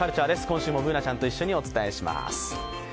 今週もＢｏｏｎａちゃんと一緒にお伝えします。